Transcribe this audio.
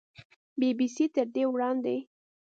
بي بي سي تر دې وړاندې